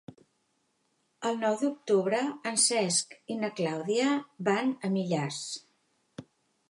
El nou d'octubre en Cesc i na Clàudia van a Millars.